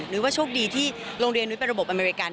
ว่าโชคดีที่โรงเรียนนุ้ยเป็นระบบอเมริกัน